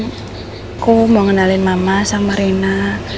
aku mau ngenalin mama sama rina